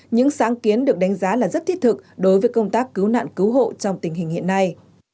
những sáng kiến được đánh giá là rất thiết thực đối với công tác cứu nạn cứu hộ trong tình hình hiện nay